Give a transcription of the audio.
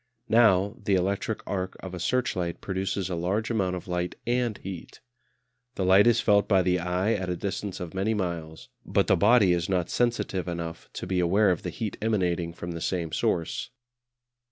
Now, the electric arc of a searchlight produces a large amount of light and heat. The light is felt by the eye at a distance of many miles, but the body is not sensitive enough to be aware of the heat emanating from the same source.